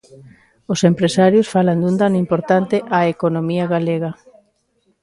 Os empresarios falan dun dano importante á economía galega.